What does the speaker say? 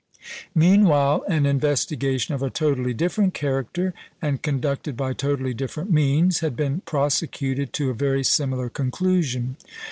Meanwhile an investigation of a totally different character, and conducted by totally different means, had been prosecuted to a very similar conclusion.